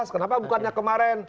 kenapa bukannya kemarin